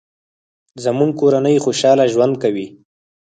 زموږ کورنۍ خوشحاله ژوند کوي